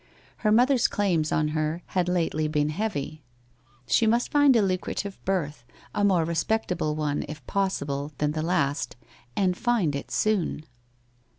Her mother's claims on her had lately been heavy. She must find a lucrative berth, a more respectable one if possible than the last, and find it soon.